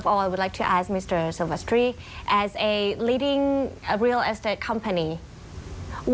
เมื่อเมืองที่สุดพี่สิลเวสตรีที่เป็นผู้บริหารการค้าปลีก